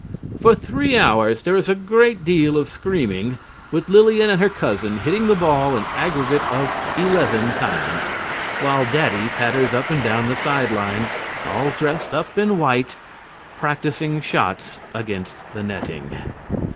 For three hours there is a great deal of screaming, with Lillian and her cousin hitting the ball an aggregate of eleven times, while Daddy patters up and down the side lines, all dressed up in white, practising shots against the netting.